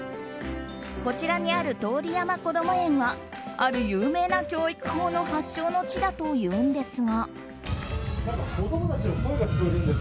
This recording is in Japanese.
こちらにある通山こども園はある有名な教育法の発祥の地だというんですが。